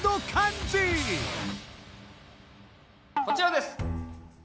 こちらです！